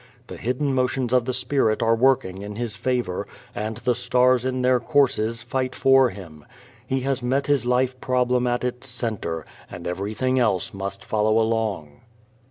The hidden motions of the Spirit are working in his favor, and "the stars in their courses" fight for him. He has met his life problem at its center, and everything else must follow along.